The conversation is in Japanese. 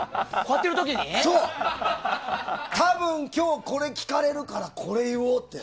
多分今日これ聞かれるからこれ言おうって。